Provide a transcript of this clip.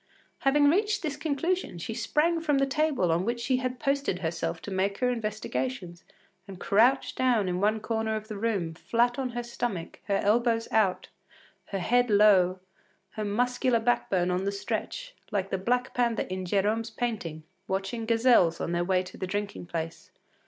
” Having reached this conclusion, she sprang from the table on which she had posted herself to make her investigations, and crouched down in one corner of the room, flat on her stomach, her elbows out, her head low, her muscular backbone on the stretch, like the black panther in Gérome’s painting, watching gazelles on their way to the drinking place.